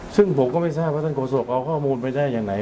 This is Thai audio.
ซึ่งผมก็ไม่ทราบว่าท่านโกรศกงงกอกไม่ได้อย่างไหน